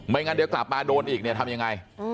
งั้นเดี๋ยวกลับมาโดนอีกเนี่ยทำยังไง